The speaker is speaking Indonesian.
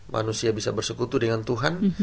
manusia bisa bersekutu dengan tuhan